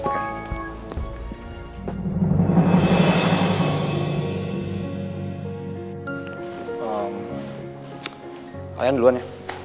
kalian duluan ya